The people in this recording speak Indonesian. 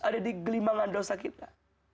ada di gelimangan dosa kita